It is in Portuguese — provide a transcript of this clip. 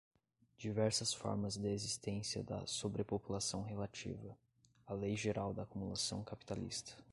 Diversas formas de existência da sobrepopulação relativa. A lei geral da acumulação capitalista